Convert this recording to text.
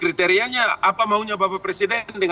kriterianya apa maunya bapak presiden